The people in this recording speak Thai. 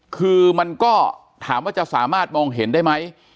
คือมันก็ถามว่าจะสามารถมองเห็นได้ไหม